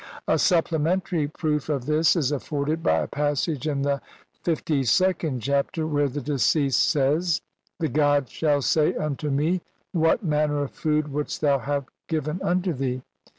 A supplementary proof of this is afforded by a passage in the Lllnd Chapter, where the deceased says (see p. io3) :— "The gods shall "say unto me : 'What manner of food wouldst thou "'have given unto thee?'